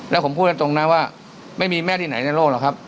แล้วผมพูดกันตรงนะว่าไม่มีแม่ที่ไหนในโลกหรอกครับ